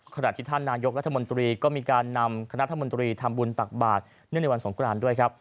ขณะที่ท่านนายกรัฐมนตรีก็มีการนำคณะรัฐมนตรีทำบุญตักบาทเนื่องในวันสงครานด้วยครับ